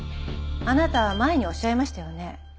あなた前におっしゃいましたよね。